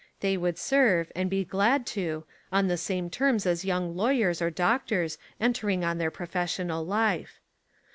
They would serve, and be glad to, on the same terms as young lawyers or doctors entering on their professional life.